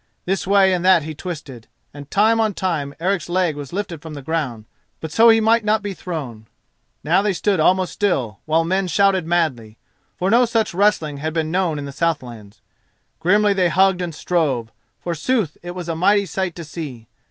This way and that he twisted, and time on time Eric's leg was lifted from the ground, but so he might not be thrown. Now they stood almost still, while men shouted madly, for no such wrestling had been known in the southlands. Grimly they hugged and strove: forsooth it was a mighty sight to see.